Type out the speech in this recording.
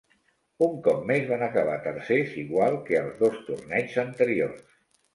Un cop més van acabar tercers, igual que als dos torneigs anteriors.